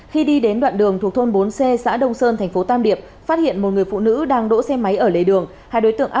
khi đi đến đoạn đường thuộc thôn bốn c xã đông sơn thành phố tam điệp phát hiện một người phụ nữ đang đỗ xe máy ở lề đường